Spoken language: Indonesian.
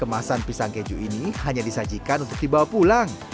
kemasan pisang keju ini hanya disajikan untuk dibawa pulang